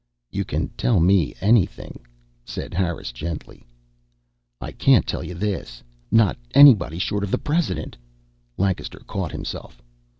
"You can tell me anything," said Harris gently. "I can't tell you this. Not anybody short of the President." Lancaster caught himself.